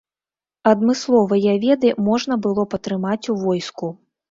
Адмысловыя веды можна было б атрымаць у войску.